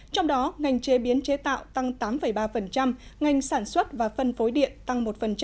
trong đó ngành chế biến chế tạo tăng tám ba ngành sản xuất và phân phối điện tăng một